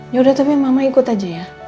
ya udah tapi mama ikut aja ya